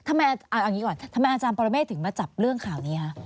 ทำไมเอาอย่างนี้ก่อนทำไมอาจารย์ปรเมฆถึงมาจับเรื่องข่าวนี้คะ